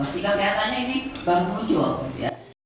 sikap kelihatannya ini baru muncul